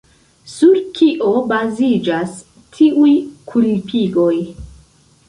Sur kio baziĝas tiuj kulpigoj?